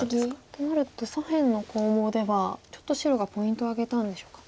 となると左辺の攻防ではちょっと白がポイントを挙げたんでしょうか。